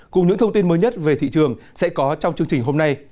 cùng những thông tin mới nhất về thị trường sẽ có trong chương trình hôm nay